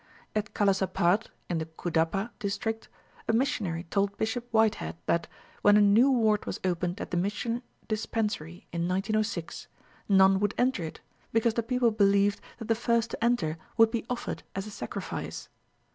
At Kalasapad in the Cuddapah district, a missionary told Bishop Whitehead that, when a new ward was opened at the mission dispensary in 1906, none would enter it, because the people believed that the first to enter would be offered as a sacrifice.